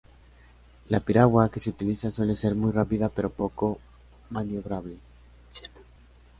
La piragua que se utiliza suele ser muy rápida pero poco maniobrable.